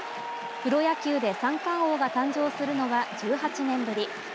プロ野球で三冠王が誕生するのは１８年ぶり。